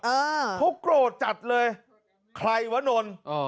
เออเขากรดจัดเลยใครวะนนต์อ๋อ